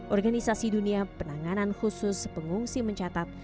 organisasi dunia penanganan khusus pengungsi mencatat